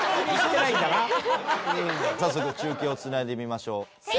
早速中継をつないでみましょう。